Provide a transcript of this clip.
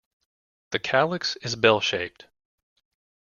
The calyx is bell-shaped.